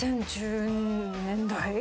２０１０年代？